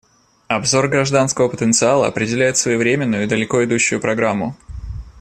Обзор гражданского потенциала определяет своевременную и далеко идущую программу.